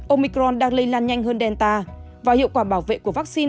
omicron đang lây lan nhanh hơn delta và hiệu quả bảo vệ của vaccine